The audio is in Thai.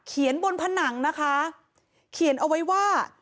บนผนังนะคะเขียนเอาไว้ว่า